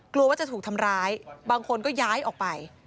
กลัวว่าจะถูกทำร้ายบางคนก็ย้ายออกไป